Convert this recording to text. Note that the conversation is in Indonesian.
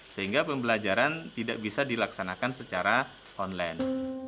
sehingga pembelajaran tidak bisa dilaksanakan secara online